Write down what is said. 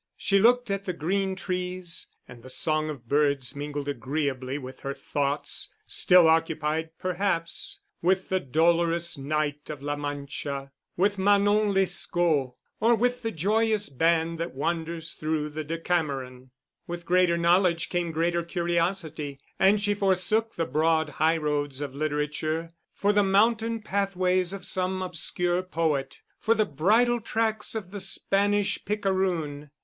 She looked at the green trees, and the song of birds mingled agreeably with her thoughts still occupied, perhaps, with the Dolorous Knight of La Mancha, with Manon Lescaut, or with the joyous band that wanders through the Decameron. With greater knowledge came greater curiosity, and she forsook the broad highroads of literature for the mountain pathways of some obscure poet, for the bridle tracks of the Spanish picaroon.